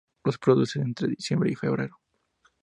Los produce entre diciembre y febrero.